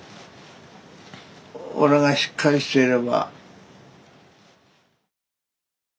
俺がしっかりしていれば。